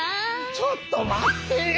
ちょっと待って！